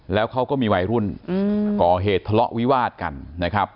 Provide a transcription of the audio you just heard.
แล้วเขาก็มีวัยรุ่นก่อเหตุทะเลาะวิวาดกันนะครับ